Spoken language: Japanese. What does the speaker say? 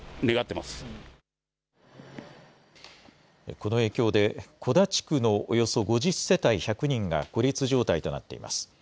この影響で、小田地区のおよそ５０世帯１００人が孤立状態となっています。